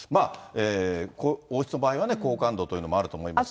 王室の場合はね、好感度というのもあると思いますが。